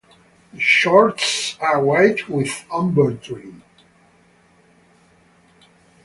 The shorts are white with amber trim.